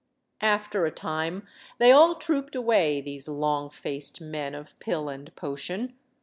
After a time they all trooped away, these long faced men of pill and potion.